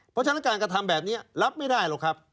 เพราะฉะนั้นการกระทำแบบนี้รับไม่ได้หรอกครับ